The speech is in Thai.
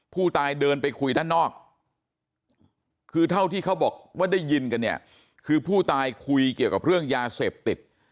ผู้ตายเดินไปคุยด้านนอกคือเท่าที่เขาบอกว่าได้ยินกันเนี่ยคือผู้ตายคุยเกี่ยวกับเรื่องยาเสพติด